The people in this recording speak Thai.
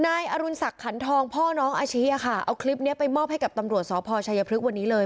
นายอรุณศักดิขันทองพ่อน้องอาชิค่ะเอาคลิปนี้ไปมอบให้กับตำรวจสพชัยพฤกษ์วันนี้เลย